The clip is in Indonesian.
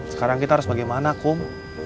sekarang kita harus bagaimana kum